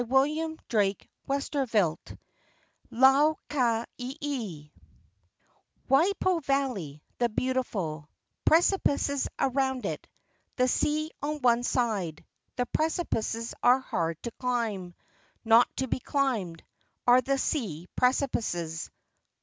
36 LEGENDS OF GHOSTS VI LAU KA IEIE "Waipio Valley, the beautiful: Precipices around it, The sea on one side; The precipices are hard to climb; Not to be climbed Are the sea precipices."